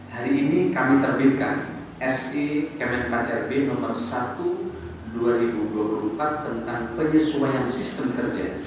hari ini kami terbitkan si kemenpan rb nomor satu dua ribu dua puluh empat tentang penyesuaian sistem kerja